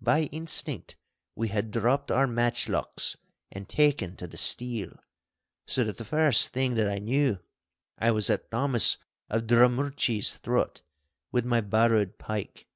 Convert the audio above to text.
By instinct we had dropped our matchlocks and taken to the steel, so that the first thing that I knew, I was at Thomas of Drummurchie's throat with my borrowed pike.